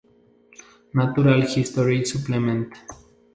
Natural History Supplement".